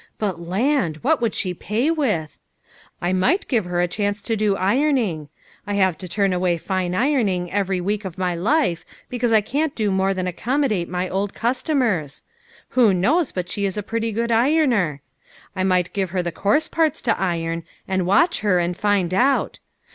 But land ! what would she pay with ? I might give her a chance to do ironing. I have to turn away fine ironing every week of my life because I can't do more than accommodate my old customers. Who knows but she is a pretty good ironer ? I might give her the coarse parts to iron, and watch her, and find out.